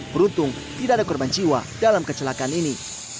beruntung tidak ada korban jiwa dalam kecelakaan ini